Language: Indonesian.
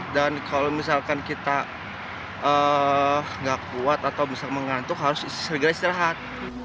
dan kalau misalkan kita nggak kuat atau misalkan mengantuk harus istirahat